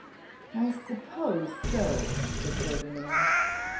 'I suppose so,' said Ferdinand.